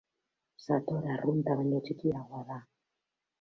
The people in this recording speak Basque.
Sator arrunta baino txikiagoa da.